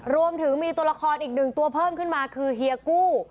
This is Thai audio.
รวมถึงมีตัวละครอีกหนึ่งตัวเพิ่มขึ้นมาคือเฮียกู้